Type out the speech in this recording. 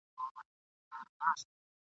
له کلونو یې پر څنډو اوسېدلی !.